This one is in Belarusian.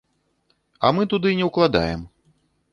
А мы туды не ўкладаем.